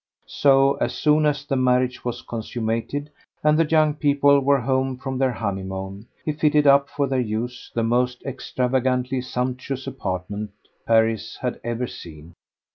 So, as soon as the marriage was consummated and the young people were home from their honeymoon, he fitted up for their use the most extravagantly sumptuous apartment Paris had ever seen.